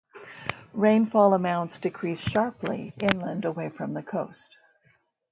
Rainfall amounts decrease sharply inland away from the coast.